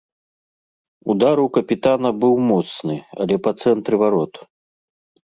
Удар у капітана быў моцны, але па цэнтры варот.